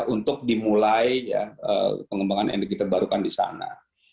untuk dimulai pengembangan energi terbarukan di sana